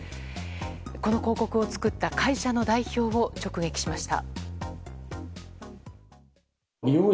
この広告を作った会社の代表を直撃しました。